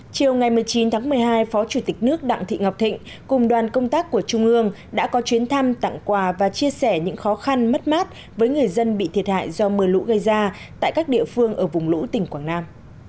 chiều ngày một mươi chín tháng một mươi hai phó chủ tịch nước đặng thị ngọc thịnh cùng đoàn công tác của trung ương đã có chuyến thăm tặng quà và chia sẻ những khó khăn mất mát với người dân bị thiệt hại do mưa lũ gây ra tại các địa phương ở vùng lũ tỉnh quảng nam